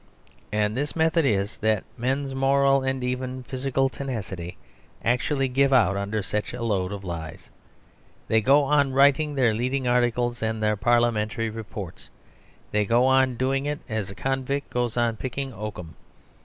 And this method is that men's moral and even physical tenacity actually give out under such a load of lies. They go on writing their leading articles and their Parliamentary reports. They go on doing it as a convict goes on picking oakum.